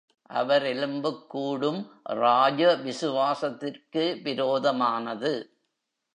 அவர் எலும்புக் கூடும் ராஜ விசுவாசத்திற்கு விரோதமானது.